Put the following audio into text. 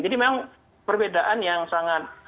jadi memang perbedaan yang sangat